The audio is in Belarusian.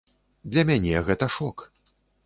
Для мяне гэта шок.